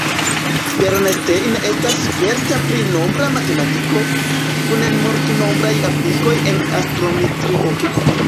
Bernstein estas sperta pri nombra matematiko, kun multenombraj aplikoj en astrometrio.